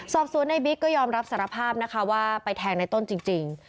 สอบสูตรนายบิ๊กก็ยอมรับสารภาพว่าไปแทงนายต้นจริง